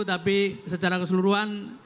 tapi secara keseluruhan